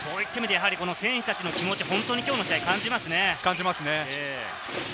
選手たちの気持ち、きょうの試合、感じますね。